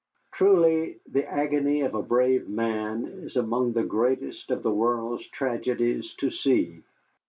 Truly, the agony of a brave man is among the greatest of the world's tragedies to see.